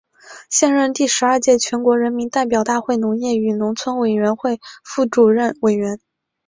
现任第十二届全国人民代表大会农业与农村委员会副主任委员。